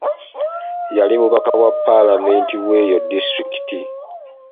Yali mubaka wa paalamenti w'eyo disiitulikiti .